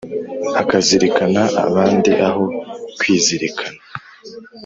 akazirikana abandi aho kwizirikana